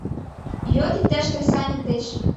Йод иктаж кресаньык деч.